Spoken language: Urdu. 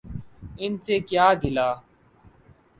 ان سے کیا گلہ۔